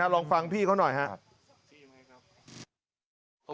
ลองฟังพี่เขาหน่อยครับ